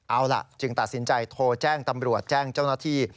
เอาล่ะจึงตัดสินใจโทรแจ้งตำรวจแจ้งเจ้าหน้าที่